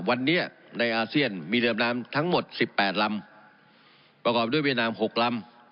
วันนี้ในอาเซียนมีเรือดำน้ำทั้งหมดสิบแปดลำประกอบด้วยเวียดนาม๖ลำ